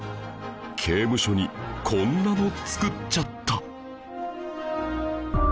刑務所にこんなの作っちゃった